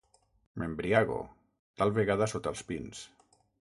M'embriago, tal vegada sota els pins.